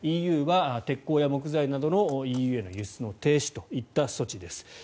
ＥＵは鉄鋼や木材などのＥＵへの輸出の停止といった措置です。